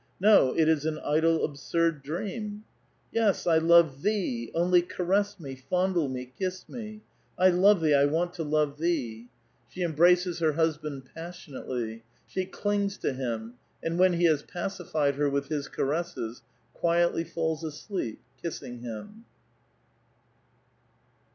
No ; it is an idle, absurd dream." " Yos, I love thee ! Only cnress me, fondle me, kiss me ! I love thee — I want to love thee !" A VITAL QUESTION, 237 She embraces her husband passionately ; she clings to him, and when he has pacified her with his caresses, quietly falls asleep, kissing him.